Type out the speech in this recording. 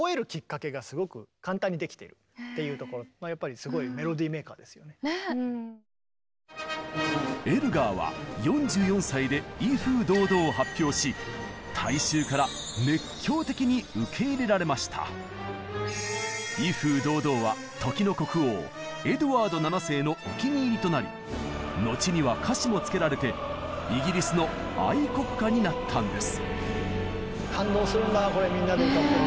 まあやっぱりエルガーは４４歳で「威風堂々」を発表し「威風堂々」は時の国王エドワード７世のお気に入りとなり後には歌詞も付けられてイギリスの愛国歌になったんです。